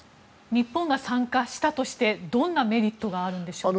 日本が参加したとしてどんなメリットがあるんでしょうか。